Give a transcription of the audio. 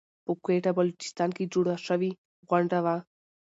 په کويټه بلوچستان کې جوړه شوى غونډه وه .